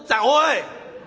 「おい！